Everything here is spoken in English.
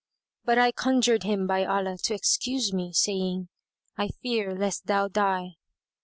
But I conjured him by Allah to excuse me, saying, "I fear lest thou die."